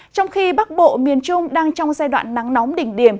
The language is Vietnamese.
trong khi bắc bộ miền trung đang trong giai đoạn nắng nóng đỉnh điểm